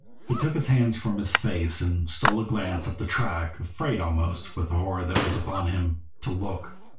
He took his hands from his face, and stole a glance up the track, afraid almost, with the horror that was upon him, to look.